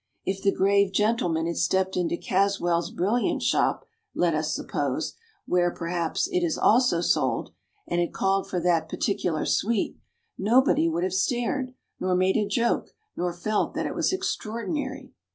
If the grave gentleman had stepped into Caswell's brilliant shop, let us suppose where, perhaps, it is also sold and had called for that particular sweet, nobody would have stared nor made a joke nor felt that it was extraordinary.